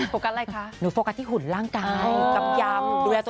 โฟกัสอะไรคะหนูโฟกัสที่หุ่นร่างกายกำยำดูแลตัวเอง